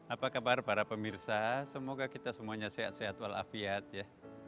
apa kabar para pemirsa semoga kita semuanya sehat sehat walafiat ya